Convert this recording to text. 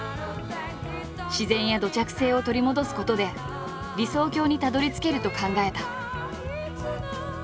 自然や土着性を取り戻すことで理想郷にたどりつけると考えた。